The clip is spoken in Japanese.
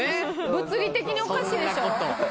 物理的におかしいでしょ。